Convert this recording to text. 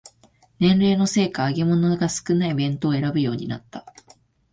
年齢のせいか揚げ物が少ない弁当を選ぶようになった